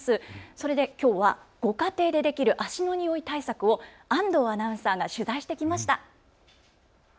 それできょうはご家庭でできる足の臭い対策を安藤アナウンサーが取材してきました。